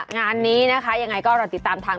งานนี้นะคะยังไงก็เราติดตามทาง